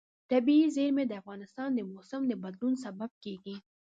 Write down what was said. طبیعي زیرمې د افغانستان د موسم د بدلون سبب کېږي.